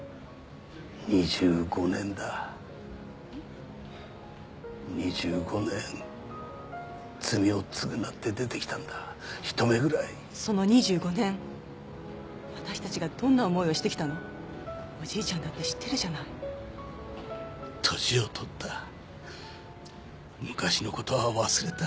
２５年だ２５年罪を償って出てきたんだひと目ぐらいその２５年私たちがどんな思いをしてきたのおじいちゃんだって知ってるじゃない年を取った昔のことは忘れた